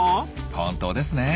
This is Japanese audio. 本当ですね。